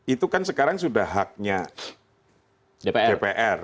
itu kan sekarang sudah haknya dpr